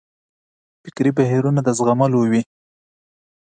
فکري بهیرونه د زغملو وي.